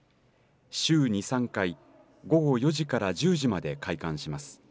週２、３回午後４時から１０時間まで開館します。